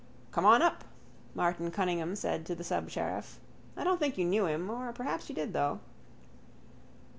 —Come on up, Martin Cunningham said to the subsheriff. I don't think you knew him or perhaps you did, though.